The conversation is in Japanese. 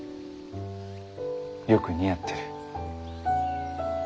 よく似合ってる。